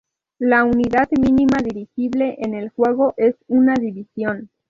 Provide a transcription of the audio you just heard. La unidad mínima dirigible en el juego es una división.